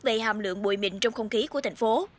về hàm lượng bụi mịn trong không khí của thành phố